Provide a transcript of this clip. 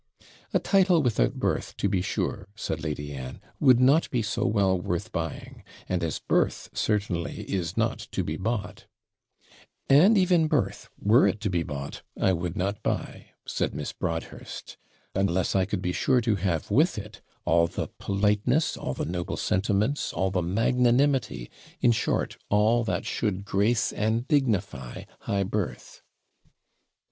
'A title without birth, to be sure,' said Lady Anne, 'would not be so well worth buying; and as birth certainly is not to be bought ' 'And even birth, were it to be bought, I would not buy,' said Miss Broadhurst, 'unless I could be sure to have with it all the politeness, all the noble sentiments, all the magnanimity in short, all that should grace and dignify high birth.'